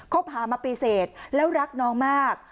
บหามาปีเสร็จแล้วรักน้องมาก